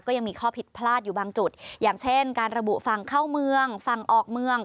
ก็ยังมีข้อผิดพลาดอยู่บางจุดอย่างเช่นการระบุฝั่งเข้าเมืองฝั่งออกเมือง